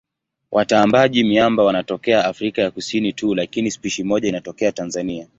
Watambaaji-miamba wanatokea Afrika ya Kusini tu lakini spishi moja inatokea Tanzania.